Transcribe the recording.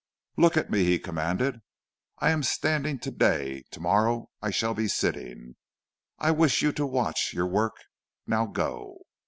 "'Look at me,' he commanded. 'I am standing to day; to morrow I shall be sitting. I wish you to watch your work; now go.'